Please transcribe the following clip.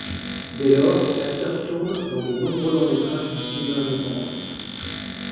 Dès lors, l'acteur tourne dans de nombreux longs métrages du cinéma indépendant.